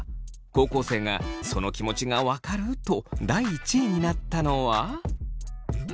高校生がその気持ちが分かると第１位になったのは。